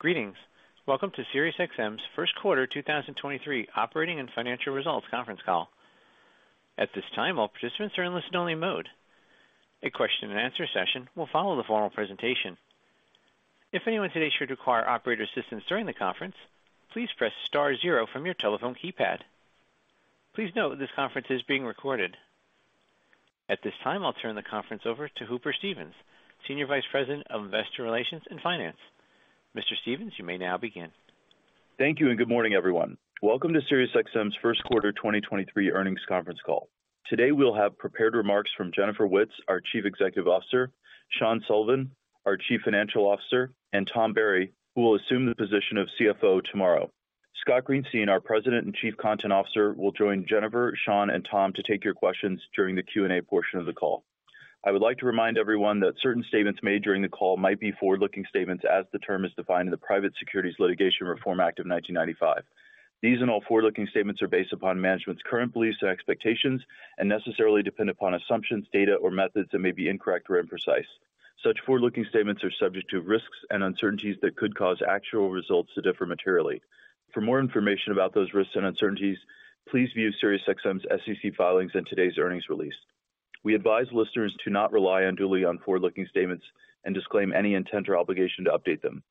Greetings. Welcome to SiriusXM's First Quarter 2023 Operating and Financial Results Conference Call. At this time, all participants are in listen-only mode. A Q&A session will follow the formal presentation. If anyone today should require operator assistance during the conference, please press star zero from your telephone keypad. Please note this conference is being recorded. At this time, I'll turn the conference over to Hooper Stevens, Senior Vice President of Investor Relations and Finance. Mr. Stevens, you may now begin. Thank you and good morning, everyone. Welcome to SiriusXM's First Quarter 2023 Earnings Conference Call. Today we'll have prepared remarks from Jennifer Witz, our Chief Executive Officer, Sean Sullivan, our Chief Financial Officer, and Tom Barry, who will assume the position of CFO tomorrow. Scott Greenstein, our President and Chief Content Officer, will join Jennifer, Sean, and Tom to take your questions during the Q&A portion of the call. I would like to remind everyone that certain statements made during the call might be forward-looking statements as the term is defined in the Private Securities Litigation Reform Act of 1995. These and all forward-looking statements are based upon management's current beliefs and expectations and necessarily depend upon assumptions, data or methods that may be incorrect or imprecise. Such forward-looking statements are subject to risks and uncertainties that could cause actual results to differ materially. For more information about those risks and uncertainties, please view SiriusXM's SEC filings in today's earnings release. We advise listeners to not rely unduly on forward-looking statements and disclaim any intent or obligation to update them.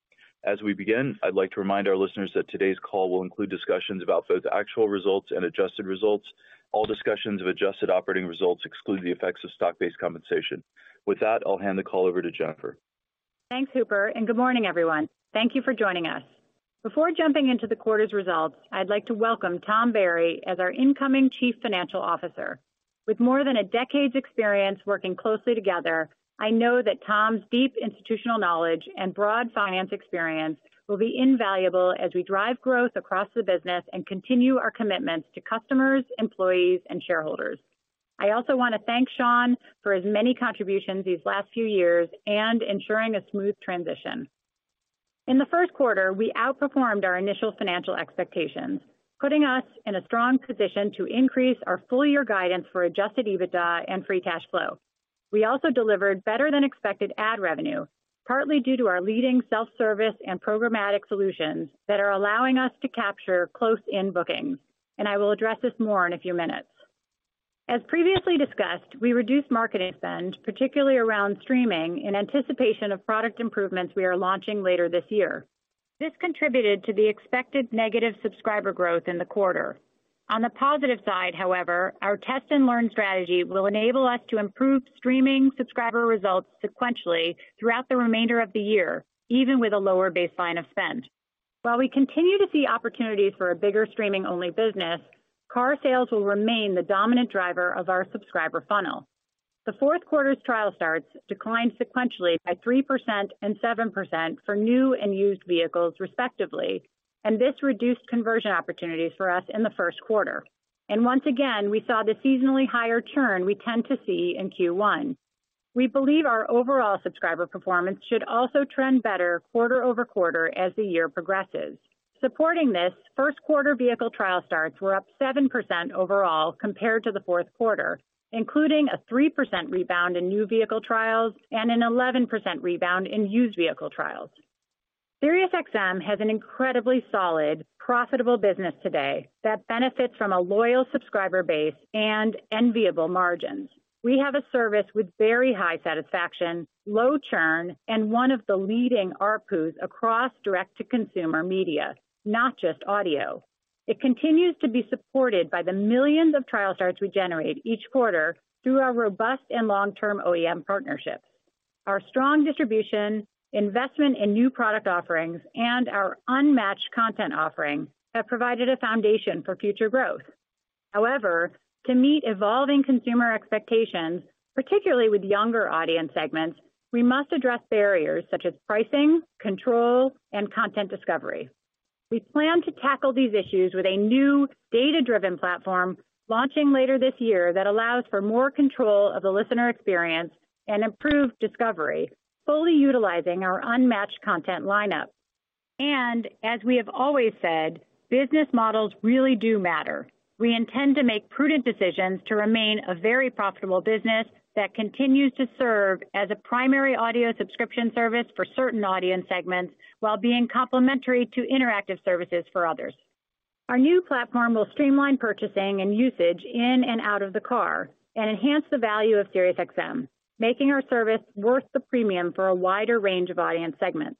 As we begin, I'd like to remind our listeners that today's call will include discussions about both actual results and adjusted results. All discussions of adjusted operating results exclude the effects of stock-based compensation. With that, I'll hand the call over to Jennifer. Thanks, Hooper. Good morning, everyone. Thank you for joining us. Before jumping into the quarter's results, I'd like to welcome Tom Barry as our incoming Chief Financial Officer. With more than a decade's experience working closely together, I know that Tom's deep institutional knowledge and broad finance experience will be invaluable as we drive growth across the business and continue our commitments to customers, employees, and shareholders. I also wanna thank Sean for his many contributions these last few years and ensuring a smooth transition. In the first quarter, we outperformed our initial financial expectations, putting us in a strong position to increase our full-year guidance for adjusted EBITDA and free cash flow. We also delivered better-than-expected ad revenue, partly due to our leading self-service and programmatic solutions that are allowing us to capture close-in bookings. I will address this more in a few minutes. As previously discussed, we reduced marketing spend, particularly around streaming, in anticipation of product improvements we are launching later this year. This contributed to the expected negative subscriber growth in the quarter. On the positive side, however, our test-and-learn strategy will enable us to improve streaming subscriber results sequentially throughout the remainder of the year, even with a lower baseline of spend. While we continue to see opportunities for a bigger streaming-only business, car sales will remain the dominant driver of our subscriber funnel. The fourth quarter's trial starts declined sequentially by 3% and 7% for new and used vehicles respectively, and this reduced conversion opportunities for us in the first quarter. Once again, we saw the seasonally higher churn we tend to see in Q1. We believe our overall subscriber performance should also trend better quarter-over-quarter as the year progresses. Supporting this, first quarter vehicle trial starts were up 7% overall compared to the fourth quarter, including a 3% rebound in new vehicle trials and an 11% rebound in used vehicle trials. SiriusXM has an incredibly solid, profitable business today that benefits from a loyal subscriber base and enviable margins. We have a service with very high satisfaction, low churn, and one of the leading ARPUs across direct-to-consumer media, not just audio. It continues to be supported by the millions of trial starts we generate each quarter through our robust and long-term OEM partnerships. Our strong distribution, investment in new product offerings, and our unmatched content offering have provided a foundation for future growth. To meet evolving consumer expectations, particularly with younger audience segments, we must address barriers such as pricing, control, and content discovery. We plan to tackle these issues with a new data-driven platform launching later this year that allows for more control of the listener experience and improved discovery, fully utilizing our unmatched content lineup. As we have always said, business models really do matter. We intend to make prudent decisions to remain a very profitable business that continues to serve as a primary audio subscription service for certain audience segments while being complementary to interactive services for others. Our new platform will streamline purchasing and usage in and out of the car and enhance the value of SiriusXM, making our service worth the premium for a wider range of audience segments.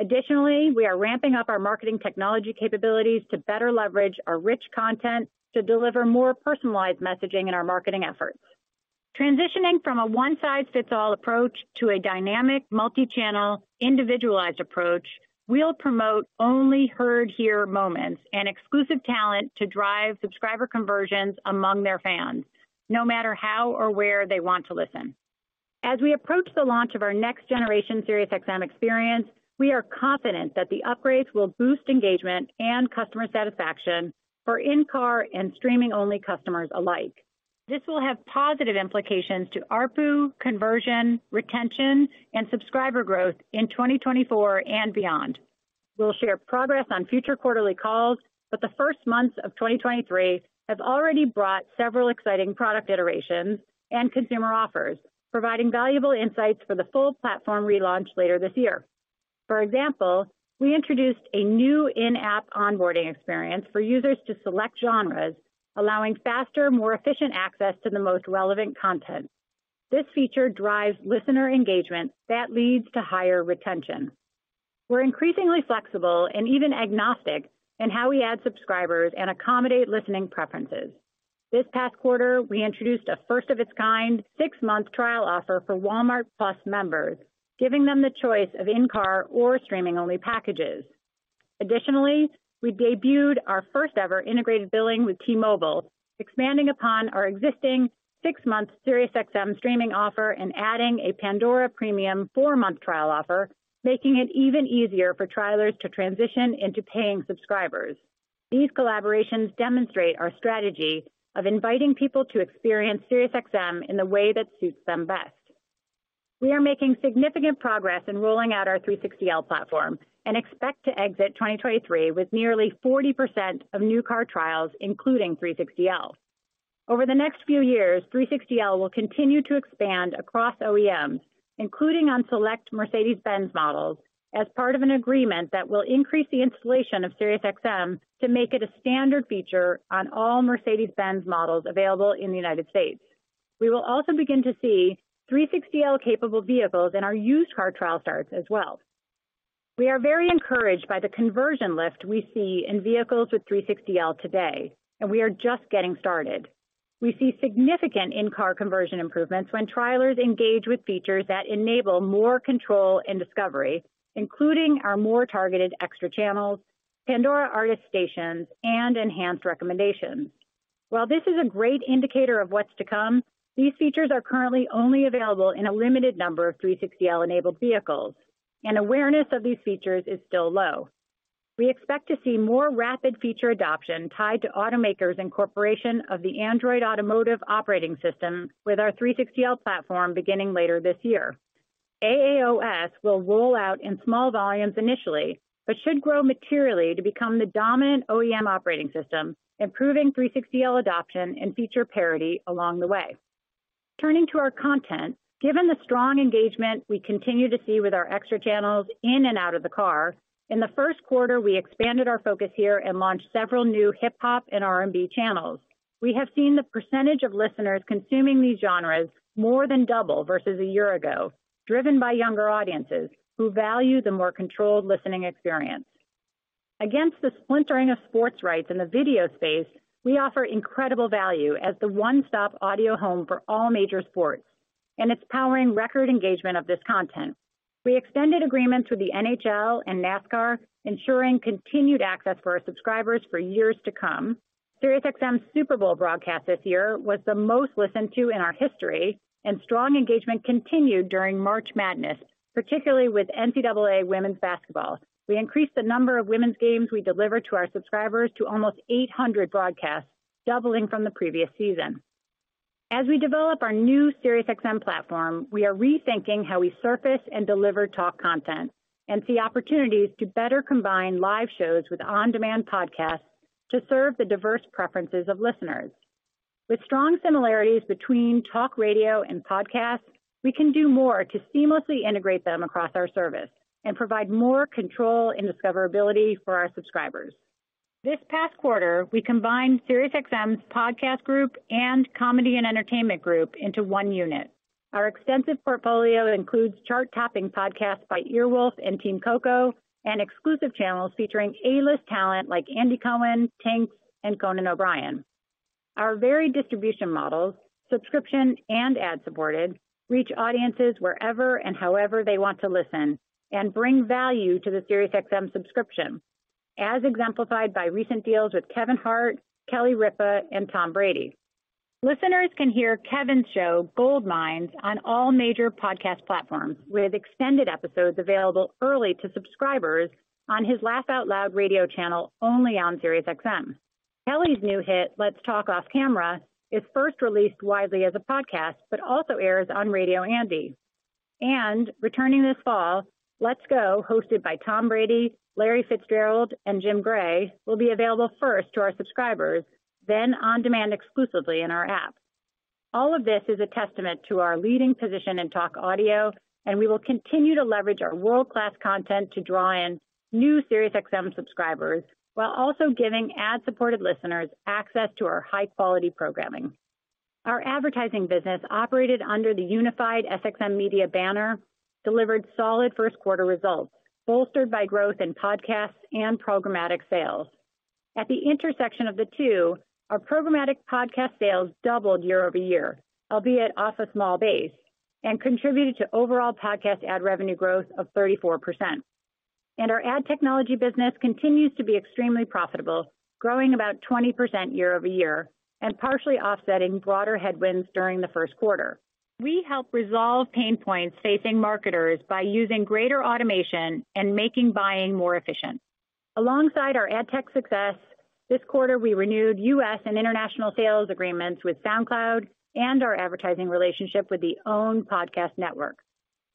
We are ramping up our marketing technology capabilities to better leverage our rich content to deliver more personalized messaging in our marketing efforts. Transitioning from a one-size-fits-all approach to a dynamic, multi-channel, individualized approach will promote only heard here moments and exclusive talent to drive subscriber conversions among their fans, no matter how or where they want to listen. As we approach the launch of our next generation SiriusXM experience, we are confident that the upgrades will boost engagement and customer satisfaction for in-car and streaming-only customers alike. This will have positive implications to ARPU, conversion, retention, and subscriber growth in 2024 and beyond. The first months of 2023 have already brought several exciting product iterations and consumer offers, providing valuable insights for the full platform relaunch later this year. For example, we introduced a new in-app onboarding experience for users to select genres, allowing faster, more efficient access to the most relevant content. This feature drives listener engagement that leads to higher retention. We're increasingly flexible and even agnostic in how we add subscribers and accommodate listening preferences. This past quarter, we introduced a first of its kind six-month trial offer for Walmart+ members, giving them the choice of in-car or streaming-only packages. Additionally, we debuted our first-ever integrated billing with T-Mobile, expanding upon our existing six-month SiriusXM streaming offer and adding a Pandora Premium four-month trial offer, making it even easier for trialers to transition into paying subscribers. These collaborations demonstrate our strategy of inviting people to experience SiriusXM in the way that suits them best. We are making significant progress in rolling out our 360L platform and expect to exit 2023 with nearly 40% of new car trials, including 360L. Over the next few years, 360L will continue to expand across OEMs, including on select Mercedes-Benz models, as part of an agreement that will increase the installation of SiriusXM to make it a standard feature on all Mercedes-Benz models available in the United States. We will also begin to see 360L-capable vehicles in our used car trial starts as well. We are very encouraged by the conversion lift we see in vehicles with 360L today, and we are just getting started. We see significant in-car conversion improvements when trialers engage with features that enable more control and discovery, including our more targeted extra channels, Pandora artist stations, and enhanced recommendations. While this is a great indicator of what's to come, these features are currently only available in a limited number of 360L-enabled vehicles, and awareness of these features is still low. We expect to see more rapid feature adoption tied to automakers' incorporation of the Android Automotive OS with our 360L platform beginning later this year. AAOS will roll out in small volumes initially, but should grow materially to become the dominant OEM operating system, improving 360L adoption and feature parity along the way. Turning to our content, given the strong engagement we continue to see with our extra channels in and out of the car, in the first quarter, we expanded our focus here and launched several new hip-hop and R&B channels. We have seen the percentage of listeners consuming these genres more than double versus a year ago, driven by younger audiences who value the more controlled listening experience. Against the splintering of sports rights in the video space, we offer incredible value as the one-stop audio home for all major sports, and it's powering record engagement of this content. We extended agreements with the NHL and NASCAR, ensuring continued access for our subscribers for years to come. SiriusXM's Super Bowl broadcast this year was the most listened to in our history, and strong engagement continued during March Madness, particularly with NCAA Women's Basketball. We increased the number of women's games we deliver to our subscribers to almost 800 broadcasts, doubling from the previous season. As we develop our new SiriusXM platform, we are rethinking how we surface and deliver talk content and see opportunities to better combine live shows with on-demand podcasts to serve the diverse preferences of listeners. With strong similarities between talk radio and podcasts, we can do more to seamlessly integrate them across our service and provide more control and discoverability for our subscribers. This past quarter, we combined SiriusXM's podcast group and comedy and entertainment group into one unit. Our extensive portfolio includes chart-topping podcasts by Earwolf and Team Coco and exclusive channels featuring A-list talent like Andy Cohen, Tank, and Conan O'Brien. Our varied distribution models, subscription and ad-supported, reach audiences wherever and however they want to listen and bring value to the SiriusXM subscription, as exemplified by recent deals with Kevin Hart, Kelly Ripa, and Tom Brady. Listeners can hear Kevin's show, Gold Mines, on all major podcast platforms, with extended episodes available early to subscribers on his Laugh Out Loud Radio channel only on SiriusXM. Kelly's new hit, Let's Talk Off Camera, is first released widely as a podcast, but also airs on Radio Andy. Returning this fall, Let's Go!, hosted by Tom Brady, Larry Fitzgerald, and Jim Gray, will be available first to our subscribers, then on demand exclusively in our app. All of this is a testament to our leading position in talk audio, and we will continue to leverage our world-class content to draw in new SiriusXM subscribers while also giving ad-supported listeners access to our high-quality programming. Our advertising business, operated under the unified SXM Media banner, delivered solid first quarter results, bolstered by growth in podcasts and programmatic sales. At the intersection of the two, our programmatic podcast sales doubled year-over-year, albeit off a small base, and contributed to overall podcast ad revenue growth of 34%. Our ad technology business continues to be extremely profitable, growing about 20% year-over-year and partially offsetting broader headwinds during the first quarter. We help resolve pain points facing marketers by using greater automation and making buying more efficient. Alongside our ad tech success, this quarter, we renewed U.S. and international sales agreements with SoundCloud and our advertising relationship with the OWN Podcast Network.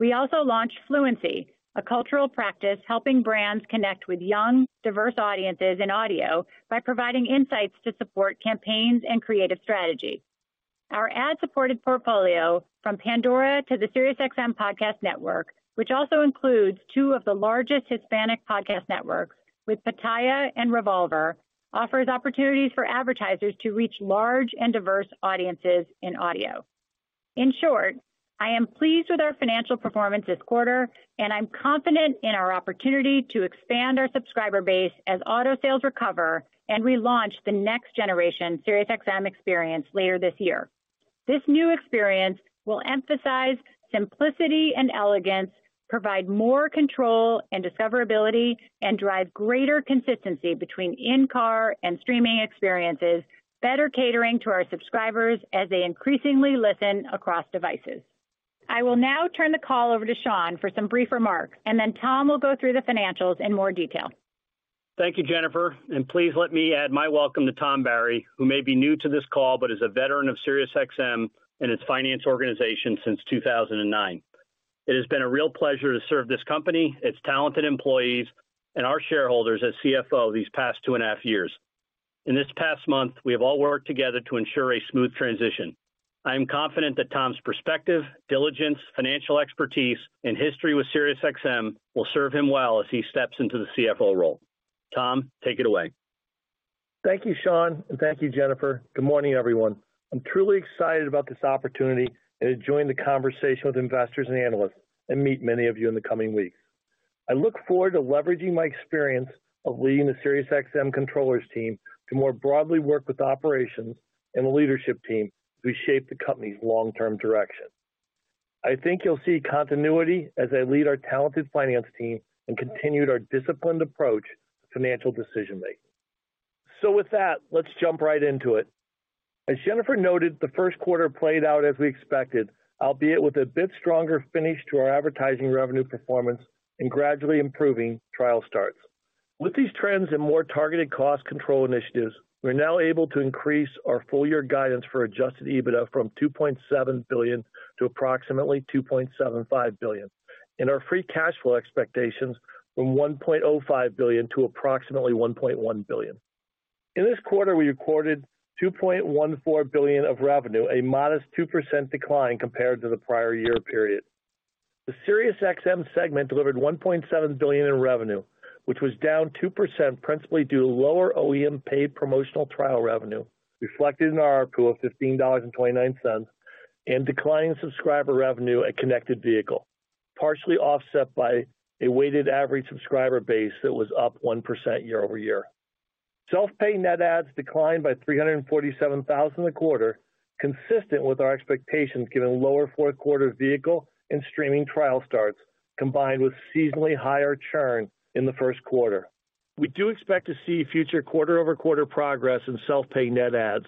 We also launched Fluency, a cultural practice helping brands connect with young, diverse audiences in audio by providing insights to support campaigns and creative strategies. Our ad-supported portfolio from Pandora to the SiriusXM Podcast Network, which also includes two of the largest Hispanic podcast networks with Pitaya and reVolver, offers opportunities for advertisers to reach large and diverse audiences in audio. In short, I am pleased with our financial performance this quarter. I'm confident in our opportunity to expand our subscriber base as auto sales recover and we launch the next generation SiriusXM experience later this year. This new experience will emphasize simplicity and elegance, provide more control and discoverability, and drive greater consistency between in-car and streaming experiences, better catering to our subscribers as they increasingly listen across devices. I will now turn the call over to Sean for some brief remarks. Then Tom will go through the financials in more detail. Thank you, Jennifer, and please let me add my welcome to Tom Barry, who may be new to this call but is a veteran of SiriusXM and its finance organization since 2009. It has been a real pleasure to serve this company, its talented employees, and our shareholders as CFO these past two and a half years. In this past month, we have all worked together to ensure a smooth transition. I am confident that Tom's perspective, diligence, financial expertise, and history with SiriusXM will serve him well as he steps into the CFO role. Tom, take it away. Thank you, Sean. Thank you, Jennifer. Good morning, everyone. I'm truly excited about this opportunity and to join the conversation with investors and analysts and meet many of you in the coming weeks. I look forward to leveraging my experience of leading the SiriusXM controllers team to more broadly work with operations and the leadership team who shape the company's long-term direction. I think you'll see continuity as I lead our talented finance team and continued our disciplined approach to financial decision-making. With that, let's jump right into it. As Jennifer noted, the first quarter played out as we expected, albeit with a bit stronger finish to our advertising revenue performance and gradually improving trial starts. With these trends and more targeted cost control initiatives, we're now able to increase our full-year guidance for adjusted EBITDA from $2.7 billion to approximately $2.75 billion, and our free cash flow expectations from $1.05 billion to approximately $1.1 billion. In this quarter, we recorded $2.14 billion of revenue, a modest 2% decline compared to the prior year period. The SiriusXM segment delivered $1.7 billion in revenue, which was down 2% principally due to lower OEM paid promotional trial revenue, reflected in our ARPU of $15.29, and declining subscriber revenue at connected vehicle, partially offset by a weighted average subscriber base that was up 1% year-over-year. Self-pay net adds declined by 347,000 a quarter, consistent with our expectations given lower fourth quarter vehicle and streaming trial starts, combined with seasonally higher churn in the first quarter. We do expect to see future quarter-over-quarter progress in self-pay net adds,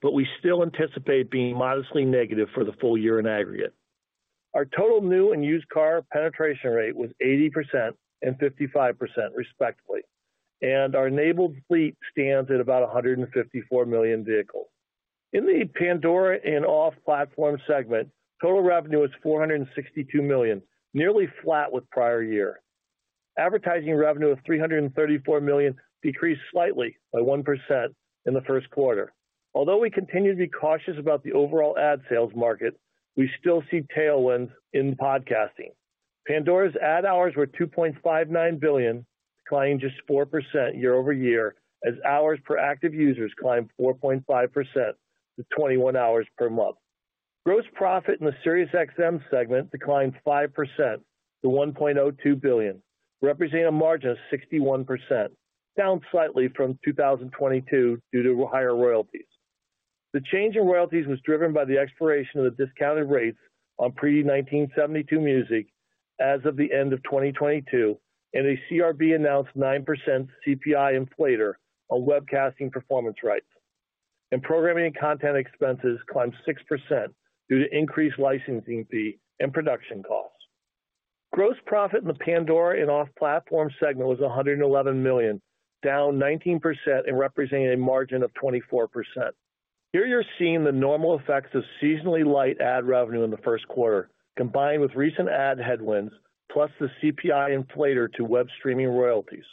but we still anticipate being modestly negative for the full year in aggregate. Our total new and used car penetration rate was 80% and 55%, respectively, and our enabled fleet stands at about 154 million vehicles. In the Pandora and Off-platform segment, total revenue is $462 million, nearly flat with prior year. Advertising revenue of $334 million decreased slightly by 1% in the first quarter. We continue to be cautious about the overall ad sales market, we still see tailwinds in podcasting. Pandora's ad hours were 2.59 billion, declining just 4% year-over-year, as hours per active users climbed 4.5% to 21 hours per month. Gross profit in the SiriusXM segment declined 5% to $1.02 billion, representing a margin of 61%, down slightly from 2022 due to higher royalties. The change in royalties was driven by the expiration of the discounted rates on pre-1972 music as of the end of 2022 and a CRB-announced 9% CPI inflator on webcasting performance rights. Programming and content expenses climbed 6% due to increased licensing fee and production costs. Gross profit in the Pandora and Off-Platform segment was $111 million, down 19% and representing a margin of 24%. Here you're seeing the normal effects of seasonally light ad revenue in the first quarter, combined with recent ad headwinds, plus the CPI inflator to web streaming royalties.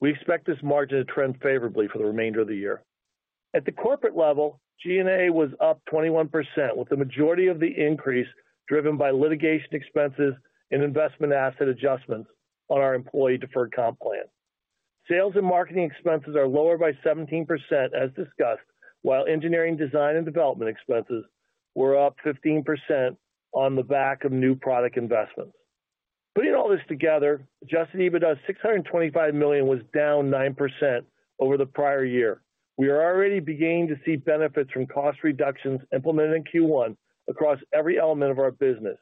We expect this margin to trend favorably for the remainder of the year. At the corporate level, G&A was up 21%, with the majority of the increase driven by litigation expenses and investment asset adjustments on our employee deferred comp plan. Sales and marketing expenses are lower by 17%, as discussed, while engineering, design, and development expenses were up 15% on the back of new product investments. Putting all this together, adjusted EBITDA of $625 million was down 9% over the prior year. We are already beginning to see benefits from cost reductions implemented in Q1 across every element of our business.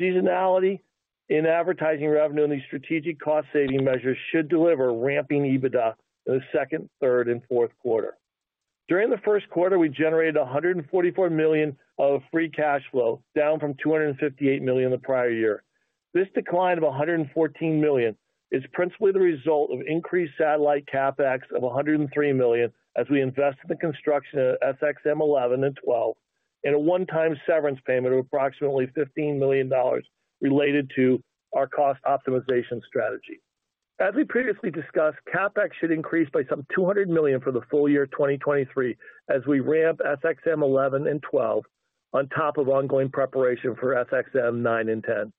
Seasonality in advertising revenue and these strategic cost-saving measures should deliver ramping EBITDA in the second, third, and fourth quarter. During the first quarter, we generated $144 million of free cash flow, down from $258 million the prior year. This decline of $114 million is principally the result of increased satellite CapEx of $103 million as we invest in the construction of SXM-11 and -12 and a one-time severance payment of approximately $15 million related to our cost optimization strategy. As we previously discussed, CapEx should increase by some $200 million for the full year 2023 as we ramp SXM-11 and -12 on top of ongoing preparation for SXM-9 and -10.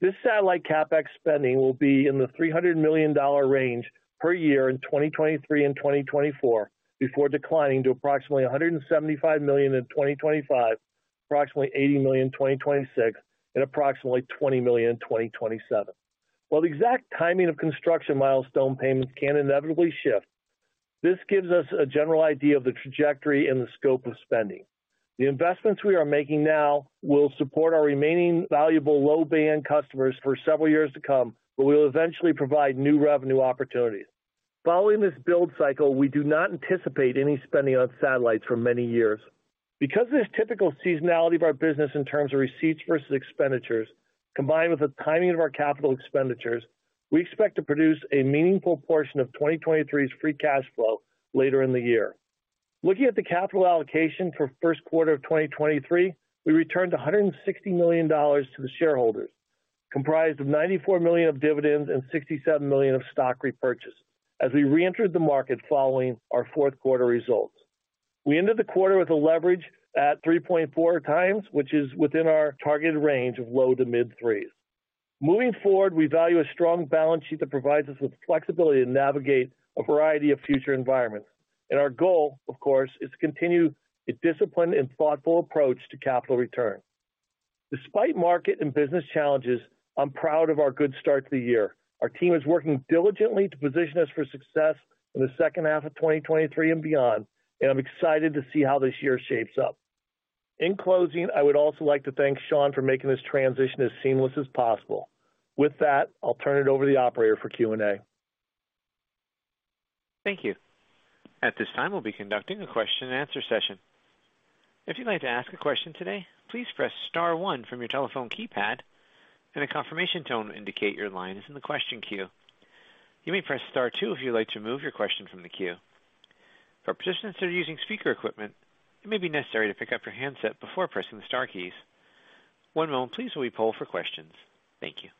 This satellite CapEx spending will be in the $300 million range per year in 2023 and 2024, before declining to approximately $175 million in 2025, approximately $80 million in 2026, and approximately $20 million in 2027. While the exact timing of construction milestone payments can inevitably shift, this gives us a general idea of the trajectory and the scope of spending. The investments we are making now will support our remaining valuable low-band customers for several years to come, but we'll eventually provide new revenue opportunities. Following this build cycle, we do not anticipate any spending on satellites for many years. Because of this typical seasonality of our business in terms of receipts versus expenditures, combined with the timing of our capital expenditures, we expect to produce a meaningful portion of 2023's free cash flow later in the year. Looking at the capital allocation for first quarter of 2023, we returned $160 million to the shareholders, comprised of $94 million of dividends and $67 million of stock repurchase as we reentered the market following our fourth quarter results. We ended the quarter with a leverage at 3.4 times, which is within our targeted range of low to mid threes. Moving forward, we value a strong balance sheet that provides us with flexibility to navigate a variety of future environments. Our goal, of course, is to continue a disciplined and thoughtful approach to capital return. Despite market and business challenges, I'm proud of our good start to the year. Our team is working diligently to position us for success in the second half of 2023 and beyond, I'm excited to see how this year shapes up. In closing, I would also like to thank Sean for making this transition as seamless as possible. With that, I'll turn it over to the operator for Q&A. Thank you. At this time, we'll be conducting a Q&A session. If you'd like to ask a question today, please press star one from your telephone keypad, and a confirmation tone will indicate your line is in the question queue. You may press star two if you'd like to remove your question from the queue. For participants that are using speaker equipment, it may be necessary to pick up your handset before pressing the star keys. One moment please while we poll for questions. Thank you.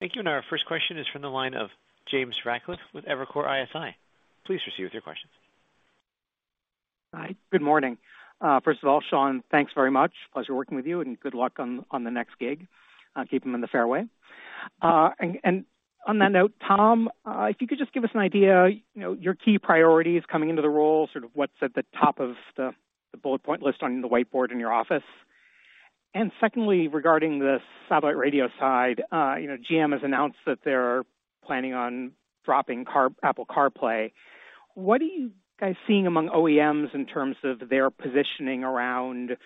Thank you. Our first question is from the line of James Ratcliffe with Evercore ISI. Please proceed with your questions. Hi. Good morning. First of all, Sean, thanks very much. Pleasure working with you, and good luck on the next gig. Keep them in the fairway. And on that note, Tom, if you could just give us an idea, you know, your key priorities coming into the role, sort of what's at the top of the bullet point list on the whiteboard in your office. Secondly, regarding the satellite radio side, you know, GM has announced that they're planning on dropping Apple CarPlay. What are you guys seeing among OEMs in terms of their positioning around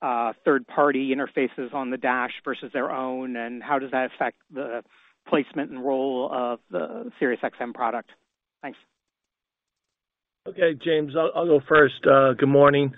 third-party interfaces on the dash versus their own, and how does that affect the placement and role of the SiriusXM product? Thanks. Okay, James, I'll go first. Good morning.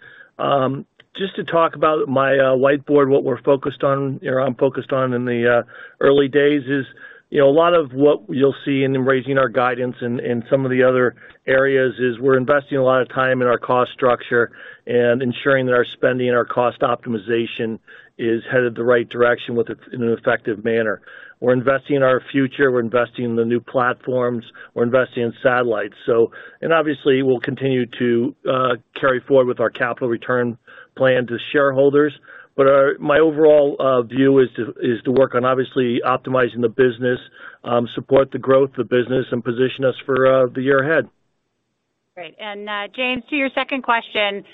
Just to talk about my whiteboard, what I'm focused on in the early days is, you know, a lot of what you'll see in raising our guidance in some of the other areas is we're investing a lot of time in our cost structure and ensuring that our spending and our cost optimization is headed the right direction in an effective manner. We're investing in our future. We're investing in the new platforms. We're investing in satellites. Obviously, we'll continue to carry forward with our capital return plan to shareholders. My overall view is to work on obviously optimizing the business, support the growth of business and position us for the year ahead. Great. James, to your second question,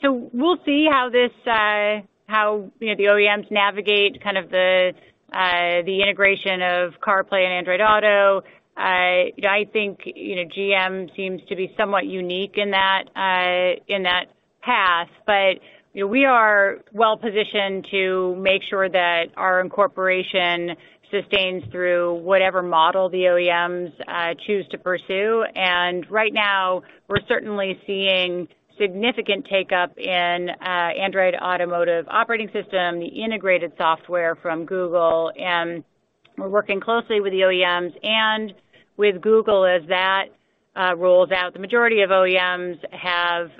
so we'll see how this, how, you know, the OEMs navigate kind of the integration of CarPlay and Android Auto. You know, I think, you know, GM seems to be somewhat unique in that in that path. You know, we are well-positioned to make sure that our incorporation sustains through whatever model the OEMs choose to pursue. Right now, we're certainly seeing significant take-up in Android Automotive OS, the integrated software from Google, and we're working closely with the OEMs and with Google as that rolls out. The majority of OEMs have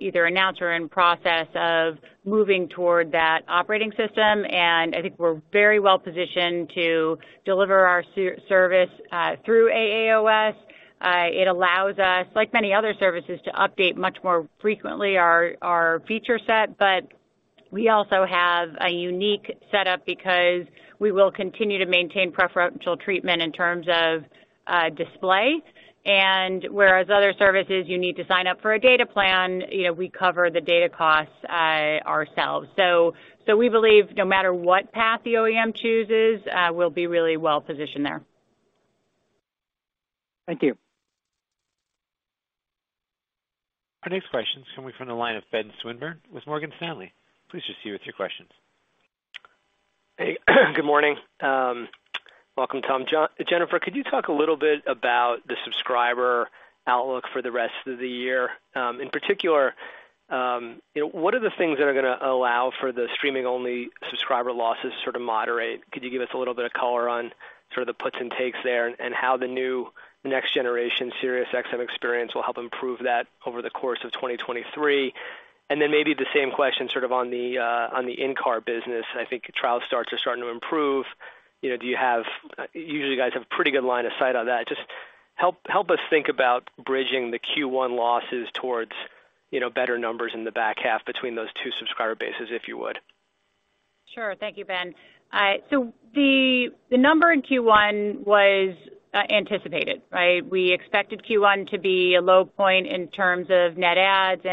either announced or are in process of moving toward that operating system, and I think we're very well-positioned to deliver our service through AAOS. It allows us, like many other services, to update much more frequently our feature set. We also have a unique setup because we will continue to maintain preferential treatment in terms of display. Whereas other services, you need to sign up for a data plan, you know, we cover the data costs ourselves. We believe no matter what path the OEM chooses, we'll be really well-positioned there. Thank you. Our next question's coming from the line of Ben Swinburne with Morgan Stanley. Please proceed with your questions. Hey. Good morning. Welcome, Tom. Jennifer, could you talk a little bit about the subscriber outlook for the rest of the year? In particular, you know, what are the things that are gonna allow for the streaming-only subscriber losses to sort of moderate? Could you give us a little bit of color on sort of the puts and takes there and how the new next generation SiriusXM experience will help improve that over the course of 2023? Then maybe the same question sort of on the in-car business. I think trial starts are starting to improve. You know, usually, you guys have pretty good line of sight on that. Help us think about bridging the Q1 losses towards, you know, better numbers in the back half between those two subscriber bases, if you would. Sure. Thank you, Ben. The number in Q1 was anticipated, right? We expected Q1 to be a low point in terms of net adds.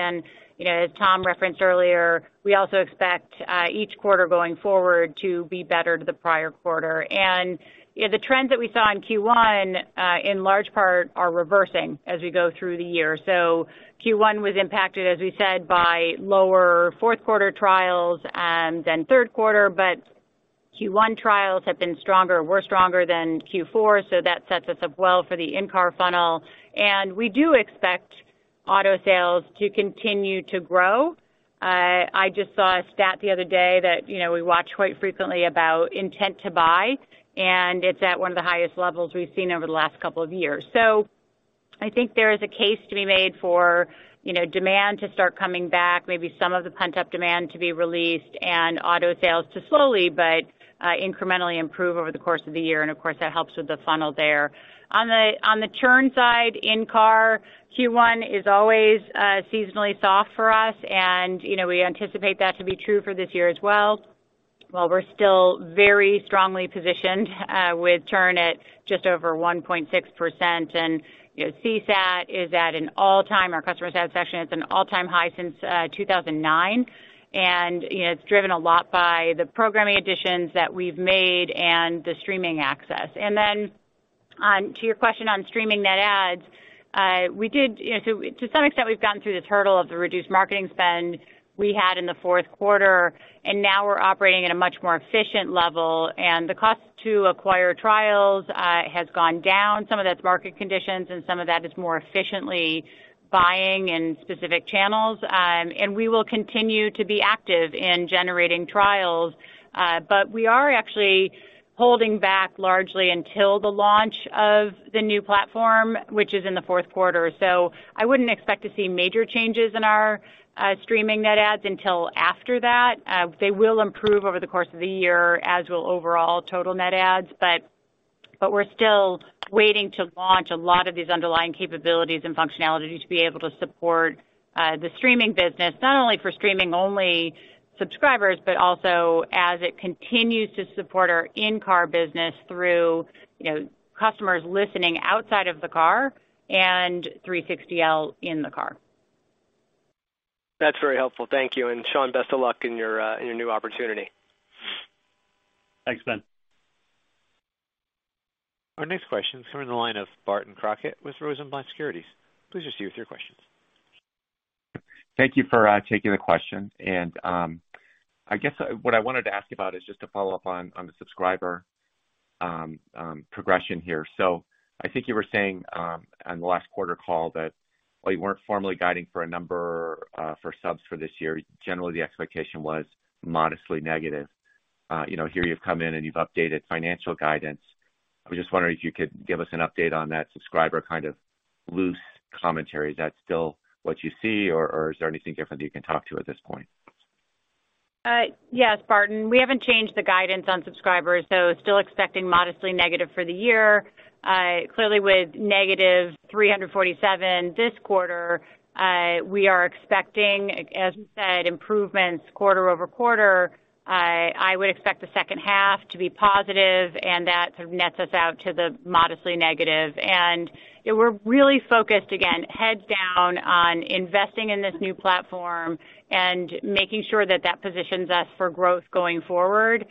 You know, as Tom referenced earlier, we also expect each quarter going forward to be better than the prior quarter. You know, the trends that we saw in Q1, in large part are reversing as we go through the year. Q1 was impacted, as we said, by lower fourth quarter trials and then third quarter. Q1 trials have been stronger. We're stronger than Q4, so that sets us up well for the in-car funnel. We do expect auto sales to continue to grow. I just saw a stat the other day that, you know, we watch quite frequently about intent to buy, and it's at one of the highest levels we've seen over the last couple of years. I think there is a case to be made for, you know, demand to start coming back, maybe some of the pent-up demand to be released and auto sales to slowly but incrementally improve over the course of the year. Of course, that helps with the funnel there. On the churn side, in-car Q1 is always seasonally soft for us. You know, we anticipate that to be true for this year as well. While we're still very strongly positioned, with churn at just over 1.6%. You know, CSAT is at an all-time, our customer satisfaction is an all-time high since 2009. You know, it's driven a lot by the programming additions that we've made and the streaming access. Then on to your question on streaming net adds, you know, so to some extent, we've gotten through the turtle of the reduced marketing spend we had in the fourth quarter, and now we're operating at a much more efficient level. The cost to acquire trials has gone down. Some of that's market conditions and some of that is more efficiently buying in specific channels. We will continue to be active in generating trials. We are actually holding back largely until the launch of the new platform, which is in the fourth quarter. I wouldn't expect to see major changes in our streaming net adds until after that. They will improve over the course of the year, as will overall total net adds, but we're still waiting to launch a lot of these underlying capabilities and functionality to be able to support the streaming business, not only for streaming-only subscribers, but also as it continues to support our in-car business through, you know, customers listening outside of the car and 360L in the car. That's very helpful. Thank you. Sean, best of luck in your new opportunity. Thanks, Ben. Our next question is coming to the line of Barton Crockett with Rosenblatt Securities. Please proceed with your questions. Thank you for taking the question. I guess what I wanted to ask you about is just to follow-up on the subscriber progression here. I think you were saying on the last quarter call that while you weren't formally guiding for a number for subs for this year, generally the expectation was modestly negative. You know, here you've come in and you've updated financial guidance. I was just wondering if you could give us an update on that subscriber kind of loose commentary. Is that still what you see or is there anything different that you can talk to at this point? Yes, Barton, we haven't changed the guidance on subscribers, so still expecting modestly negative for the year. Clearly with negative 347 this quarter, we are expecting, as you said, improvements quarter-over-quarter. I would expect the second half to be positive and that sort of nets us out to the modestly negative. We're really focused, again, heads down on investing in this new platform and making sure that that positions us for growth going forward.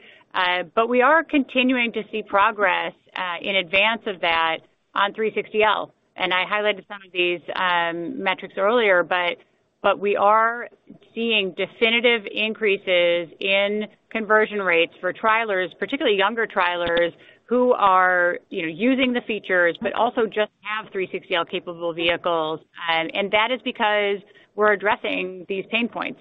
But we are continuing to see progress in advance of that on 360L. I highlighted some of these metrics earlier, but we are seeing definitive increases in conversion rates for trialers, particularly younger trialers who are, you know, using the features, but also just have 360L capable vehicles. That is because we're addressing these pain points.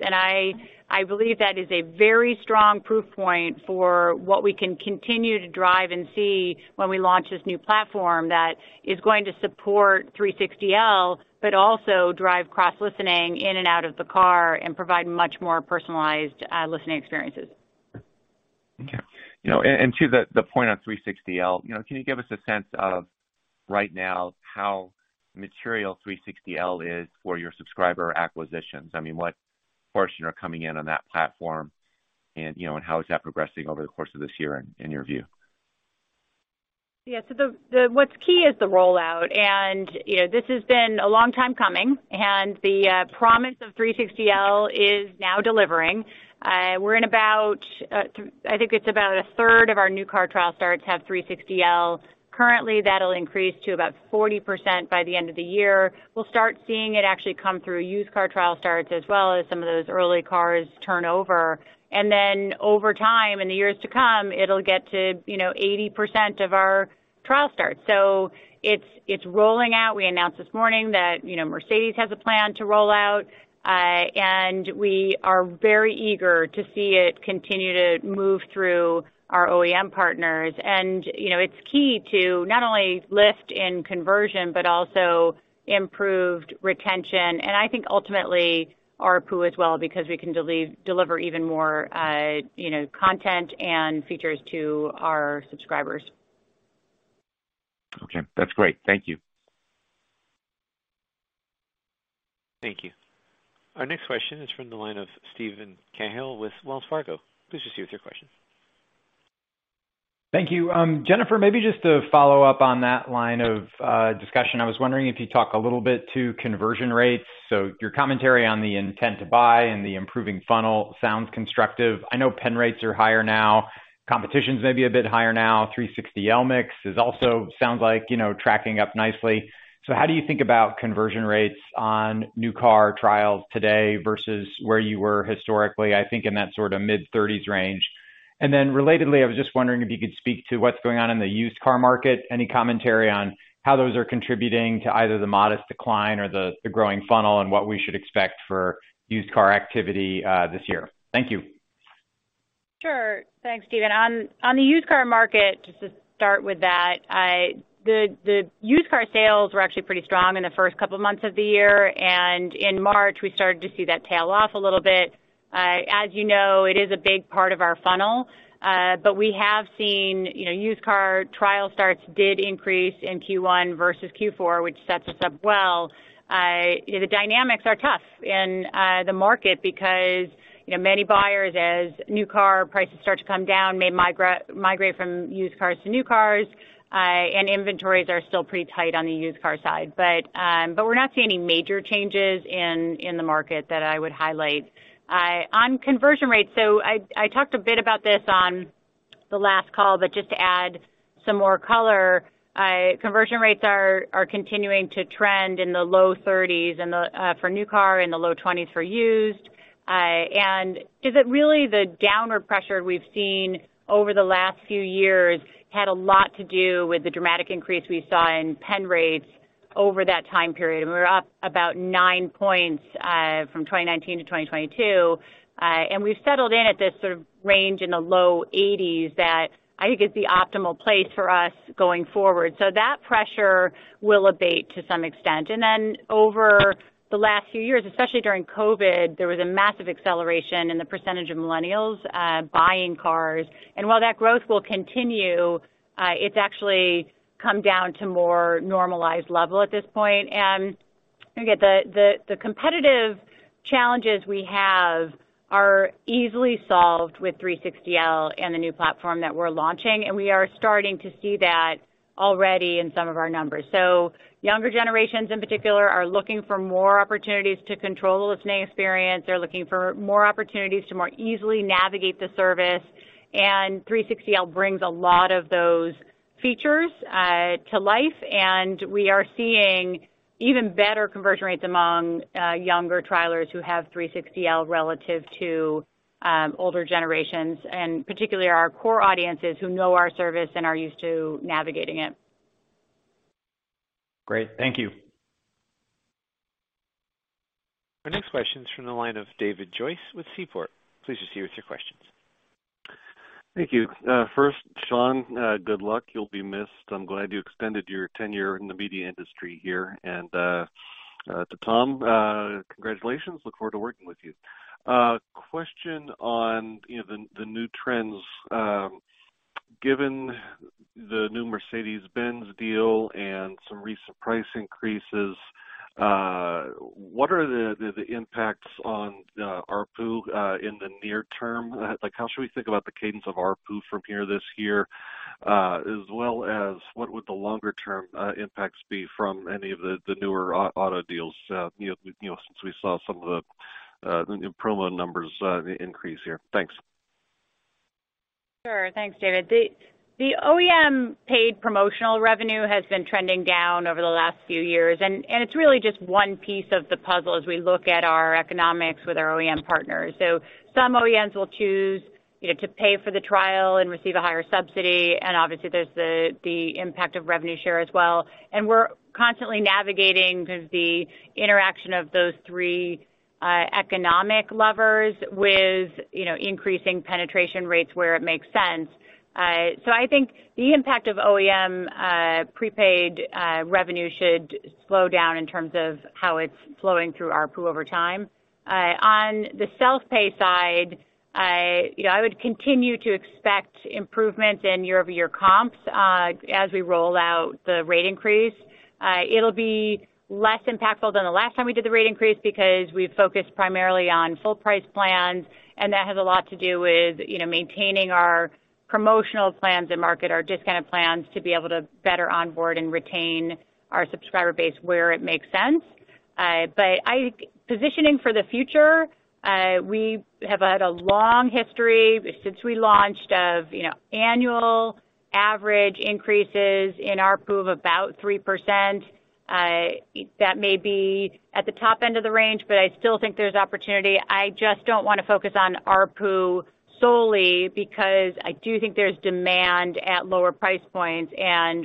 I believe that is a very strong proof point for what we can continue to drive and see when we launch this new platform that is going to support 360L, but also drive cross listening in and out of the car and provide much more personalized listening experiences. Okay. You know, and to the point on 360L, you know, can you give us a sense of right now how material 360L is for your subscriber acquisitions? I mean, what portion are coming in on that platform and, you know, and how is that progressing over the course of this year in your view? Yeah. The what's key is the rollout. You know, this has been a long time coming, and the promise of 360L is now delivering. We're in about, I think it's about a third of our new car trial starts have 360L currently. That'll increase to about 40% by the end of the year. We'll start seeing it actually come through used car trial starts as well as some of those early cars turn over. Then over time, in the years to come, it'll get to, you know, 80% of our trial starts. It's rolling out. We announced this morning that, you know, Mercedes has a plan to roll out. And we are very eager to see it continue to move through our OEM partners. You know, it's key to not only lift in conversion, but also improved retention, and I think ultimately ARPU as well, because we can deliver even more, you know, content and features to our subscribers. Okay, that's great. Thank you. Thank you. Our next question is from the line of Steven Cahall with Wells Fargo. Please proceed with your question. Thank you. Jennifer, maybe just to follow up on that line of discussion. I was wondering if you talk a little bit to conversion rates. Your commentary on the intent to buy and the improving funnel sounds constructive. I know pen rates are higher now. Competition's maybe a bit higher now. 360L mix is also sounds like tracking up nicely. How do you think about conversion rates on new car trials today versus where you were historically, I think in that sort of mid-30s range. And then relatedly, I was just wondering if you could speak to what's going on in the used car market. Any commentary on how those are contributing to either the modest decline or the growing funnel and what we should expect for used car activity this year? Thank you. Sure. Thanks, Stephen. On the used car market, just to start with that, the used car sales were actually pretty strong in the first couple of months of the year. In March, we started to see that tail off a little bit. As you know, it is a big part of our funnel. We have seen, you know, used car trial starts did increase in Q1 versus Q4, which sets us up well. You know, the dynamics are tough in the market because, you know, many buyers, as new car prices start to come down, may migrate from used cars to new cars. Inventories are still pretty tight on the used car side. We're not seeing any major changes in the market that I would highlight. On conversion rates, I talked a bit about this on the last call, but just to add some more color. Conversion rates are continuing to trend in the low 30s and for new car, in the low 20s for used. The downward pressure we've seen over the last few years had a lot to do with the dramatic increase we saw in pen rates over that time period. We're up about 9 points from 2019-2022. We've settled in at this sort of range in the low 80s that I think is the optimal place for us going forward. That pressure will abate to some extent. Over the last few years, especially during COVID, there was a massive acceleration in the percentage of millennials buying cars. While that growth will continue, it's actually come down to more normalized level at this point. The competitive challenges we have are easily solved with 360L and the new platform that we're launching, and we are starting to see that already in some of our numbers. Younger generations in particular are looking for more opportunities to control the listening experience. They're looking for more opportunities to more easily navigate the service. 360L brings a lot of those features to life. We are seeing even better conversion rates among younger trialers who have 360L relative to older generations, and particularly our core audiences who know our service and are used to navigating it. Great. Thank you. Our next question is from the line of David Joyce with Seaport. Please proceed with your questions. Thank you. First, Sean, good luck. You'll be missed. I'm glad you extended your tenure in the media industry here. To Tom, congratulations. Look forward to working with you. Question on, you know, the new trends. Given the new Mercedes-Benz deal and some recent price increases, what are the impacts on ARPU in the near term? Like, how should we think about the cadence of ARPU from here this year? What would the longer term impacts be from any of the newer auto deals, you know, since we saw some of the promo numbers increase here? Thanks. Sure. Thanks, David. The OEM paid promotional revenue has been trending down over the last few years, it's really just one piece of the puzzle as we look at our economics with our OEM partners. Some OEMs will choose, you know, to pay for the trial and receive a higher subsidy. Obviously there's the impact of revenue share as well. We're constantly navigating the interaction of those three economic levers with, you know, increasing penetration rates where it makes sense. I think the impact of OEM prepaid revenue should slow down in terms of how it's flowing through ARPU over time. On the self-pay side, you know, I would continue to expect improvements in year-over-year comps as we roll out the rate increase. It'll be less impactful than the last time we did the rate increase because we've focused primarily on full price plans. That has a lot to do with, you know, maintaining our promotional plans and market our discounted plans to be able to better onboard and retain our subscriber base where it makes sense. Positioning for the future, we have had a long history since we launched of, you know, annual average increases in ARPU of about 3%. That may be at the top end of the range. I still think there's opportunity. I just don't wanna focus on ARPU solely because I do think there's demand at lower price points.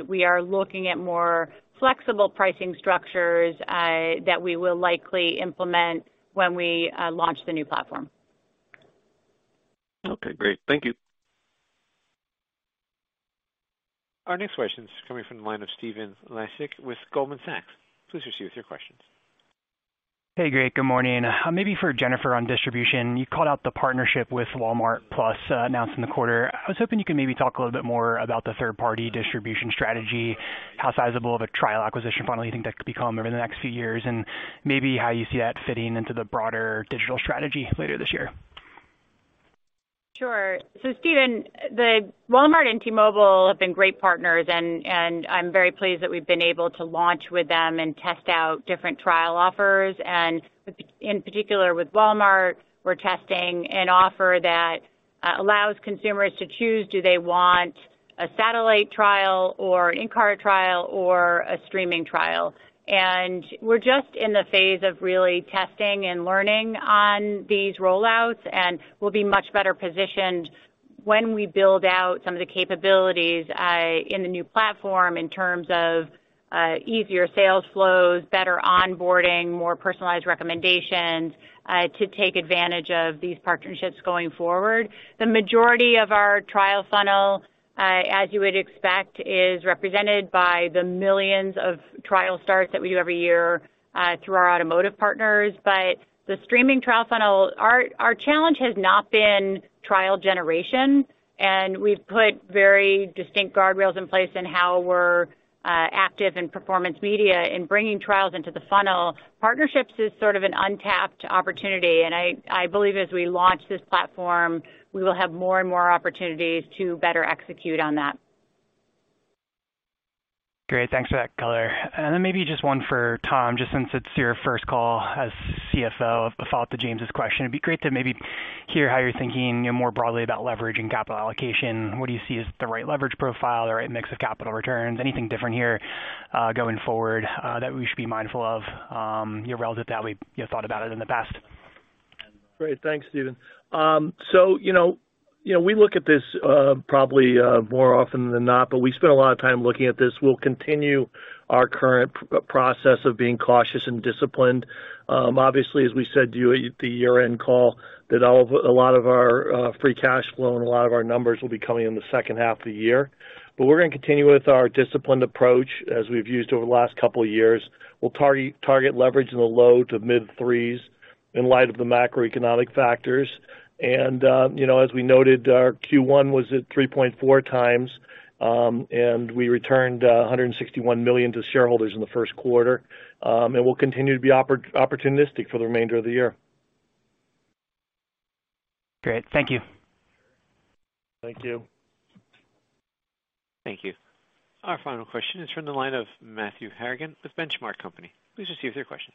We are looking at more flexible pricing structures that we will likely implement when we launch the new platform. Okay, great. Thank you. Our next question is coming from the line of Stephen Laszczyk with Goldman Sachs. Please proceed with your questions. Hey, great. Good morning. Maybe for Jennifer on distribution. You called out the partnership with Walmart+, announced in the quarter. I was hoping you could maybe talk a little bit more about the third-party distribution strategy, how sizable of a trial acquisition funnel you think that could become over the next few years, and maybe how you see that fitting into the broader digital strategy later this year. Sure. Stephen Laszczyk, the Walmart and T-Mobile have been great partners and I'm very pleased that we've been able to launch with them and test out different trial offers. In particular with Walmart, we're testing an offer that allows consumers to choose do they want a satellite trial or an in-car trial or a streaming trial. We're just in the phase of really testing and learning on these roll-outs, and we'll be much better positioned when we build out some of the capabilities in the new platform in terms of easier sales flows, better onboarding, more personalized recommendations to take advantage of these partnerships going forward. The majority of our trial funnel, as you would expect, is represented by the millions of trial starts that we do every year through our automotive partners. The streaming trial funnel, our challenge has not been trial generation, and we've put very distinct guardrails in place in how we're active in performance media in bringing trials into the funnel. Partnerships is sort of an untapped opportunity, and I believe as we launch this platform, we will have more and more opportunities to better execute on that. Great. Thanks for that color. Maybe just one for Tom, just since it's your first call as CFO. A follow-up to James' question. It'd be great to maybe hear how you're thinking more broadly about leverage and capital allocation. What do you see as the right leverage profile, the right mix of capital returns? Anything different here, going forward, that we should be mindful of, you know, relative to how we, you know, thought about it in the past? Great. Thanks, Stephen. You know, we look at this, probably more often than not, but we spend a lot of time looking at this. We'll continue our current process of being cautious and disciplined. Obviously, as we said to you at the year-end call, that a lot of our free cash flow and a lot of our numbers will be coming in the second half of the year. We're gonna continue with our disciplined approach as we've used over the last couple of years. We'll target leverage in the low to mid threes in light of the macroeconomic factors. You know, as we noted, our Q1 was at 3.4 times. We returned $161 million to shareholders in the first quarter. We'll continue to be opportunistic for the remainder of the year. Great. Thank you. Thank you. Thank you. Our final question is from the line of Matthew Harrigan with Benchmark Company. Please proceed with your question.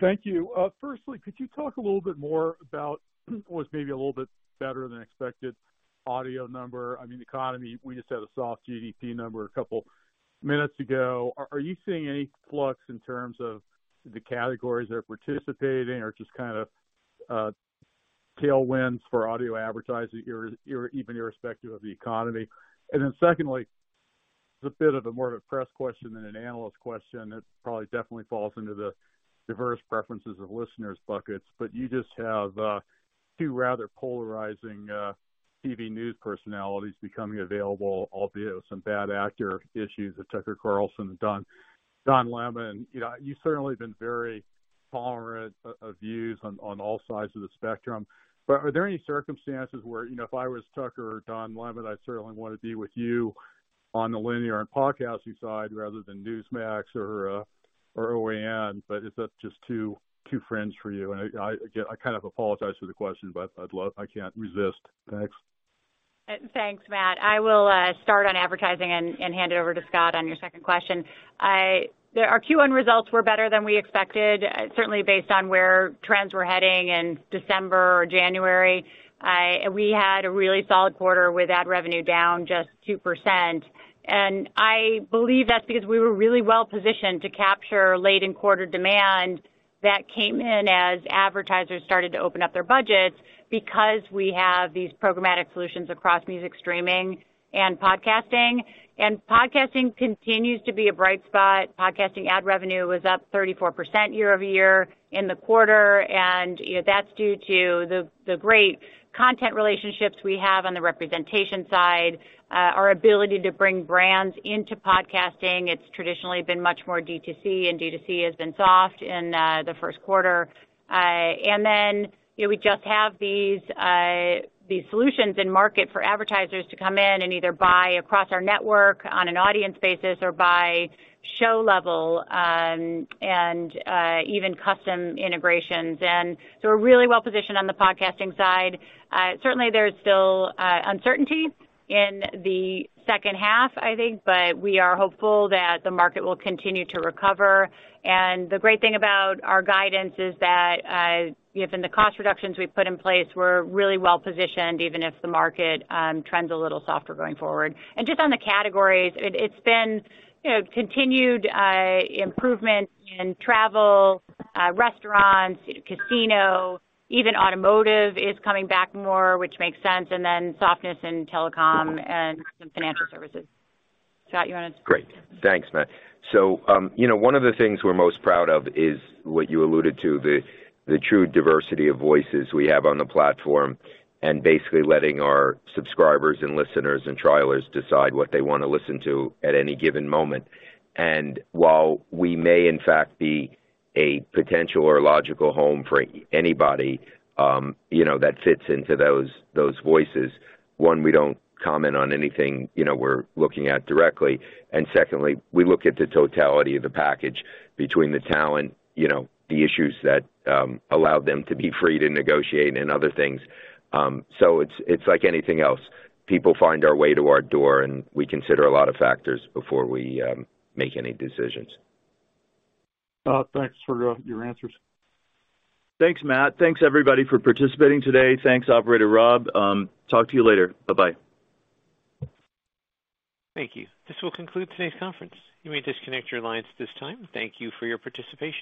Thank you. Firstly, could you talk a little bit more about what's maybe a little bit better than expected audio number? I mean, the economy, we just had a soft GDP number a couple minutes ago. Are you seeing any flux in terms of the categories that are participating or just kind of tailwinds for audio advertising even irrespective of the economy? Secondly, it's a bit of a more of a press question than an analyst question. It probably definitely falls into the diverse preferences of listeners buckets, but you just have two rather polarizing TV news personalities becoming available, albeit with some bad actor issues with Tucker Carlson and Don Lemon. You know, you've certainly been very tolerant of views on all sides of the spectrum. Are there any circumstances where, you know, if I was Tucker or Don Lemon, I'd certainly wanna be with you on the linear and podcasting side rather than Newsmax or OAN. Is that just two friends for you? I again, I kind of apologize for the question, but I'd love. I can't resist. Thanks. Thanks, Matt. I will start on advertising and hand it over to Scott on your second question. Our Q1 results were better than we expected, certainly based on where trends were heading in December or January. We had a really solid quarter with ad revenue down just 2%. I believe that's because we were really well positioned to capture late in quarter demand that came in as advertisers started to open up their budgets because we have these programmatic solutions across music streaming and podcasting. Podcasting continues to be a bright spot. Podcasting ad revenue was up 34% year-over-year in the quarter, and, you know, that's due to the great content relationships we have on the representation side, our ability to bring brands into podcasting. It's traditionally been much more D2C, and D2C has been soft in the first quarter. You know, we just have these solutions in market for advertisers to come in and either buy across our network on an audience basis or by show level, and even custom integrations. We're really well positioned on the podcasting side. Certainly there's still uncertainty in the second half, I think, but we are hopeful that the market will continue to recover. The great thing about our guidance is that given the cost reductions we've put in place, we're really well positioned, even if the market trends a little softer going forward. Just on the categories, it's been, you know, continued improvement in travel, restaurants, casino, even automotive is coming back more, which makes sense. Softness in telecom and some financial services. Scott. Great. Thanks, Matt. You know, one of the things we're most proud of is what you alluded to, the true diversity of voices we have on the platform, and basically letting our subscribers and listeners and trialers decide what they wanna listen to at any given moment. While we may, in fact, be a potential or logical home for anybody, you know, that fits into those voices, one, we don't comment on anything, you know, we're looking at directly. Secondly, we look at the totality of the package between the talent, you know, the issues that allow them to be free to negotiate and other things. It's like anything else. People find our way to our door, and we consider a lot of factors before we make any decisions. Thanks for your answers. Thanks, Matt. Thanks, everybody, for participating today. Thanks, Operator Rob. Talk to you later. Bye-bye. Thank you. This will conclude today's conference. You may disconnect your lines at this time. Thank you for your participation.